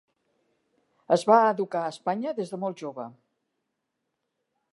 Es va educar a Espanya des de molt jove.